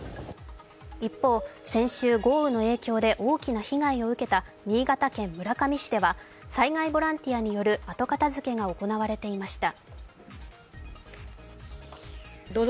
一方、先週、豪雨の影響で大きな被害を受けた新潟県村上市では災害ボランティアによる後片づけが行われていました。